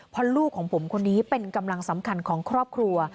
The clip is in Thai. เพราะลูกของผมคนนี้เป็นกำลังสำคัญของครอบครัว